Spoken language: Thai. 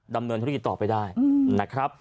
ดำเนินธุรกิจต่อไปได้นะครับ